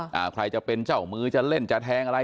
ใครจะเป็นเจ้ามือจะเล่นจะแทงอะไร